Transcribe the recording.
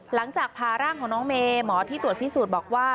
หลังจากผ่าร่างของน้องเมย์หมอที่ตรวจพิสูจน์บอกว่า